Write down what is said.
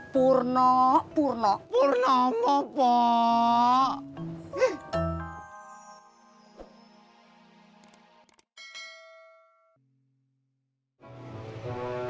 purna purna purna pak